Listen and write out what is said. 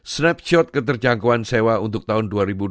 snapshot keterjangkauan sewa untuk tahun dua ribu dua puluh